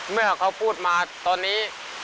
เมื่อเขาพูดมาตอนนี้